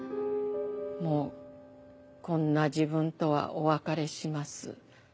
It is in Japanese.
「もうこんな自分とはお別れします。